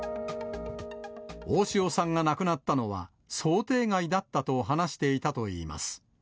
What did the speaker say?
大塩さんが亡くなったのは想定外だったと話していたといいます。